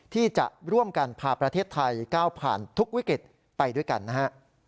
ที่จะร่วมกันพาประเทศไทยก้าวผ่านทุกวิกฤตไปด้วยกันนะฮะ